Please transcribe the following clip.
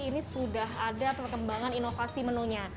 ini sudah ada perkembangan inovasi menunya